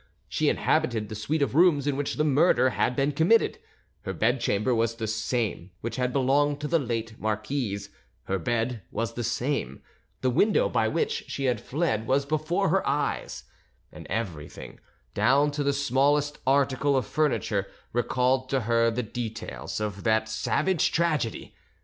She inhabited the suite of rooms in which the murder had been committed; her bedchamber was the same which had belonged to the late marquise; her bed was the same; the window by which she had fled was before her eyes; and everything, down to the smallest article of furniture, recalled to her the details of that savage tragedy.